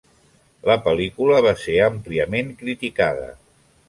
La pel·lícula va ser àmpliament criticada.